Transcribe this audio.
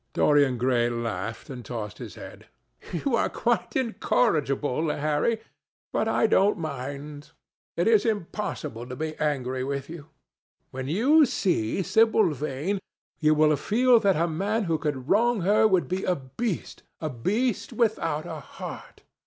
Dorian Gray laughed, and tossed his head. "You are quite incorrigible, Harry; but I don't mind. It is impossible to be angry with you. When you see Sibyl Vane, you will feel that the man who could wrong her would be a beast, a beast without a heart.